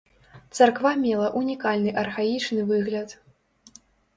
Царква мела ўнікальны архаічны выгляд.